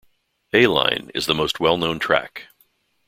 "A-Line" is the most well-known track.